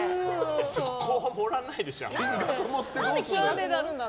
そこは盛らないでしょ、あんま。